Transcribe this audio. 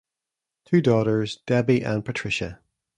Two daughters Deby and Patricia.